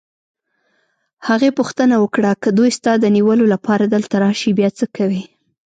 هغې پوښتنه وکړه: که دوی ستا د نیولو لپاره دلته راشي، بیا څه کوې؟